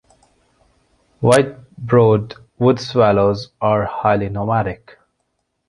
White-browed woodswallows are highly nomadic.